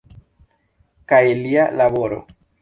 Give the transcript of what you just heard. Kaj lia laboro.